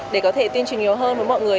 để có thể tuyên truyền nhiều hơn với mọi người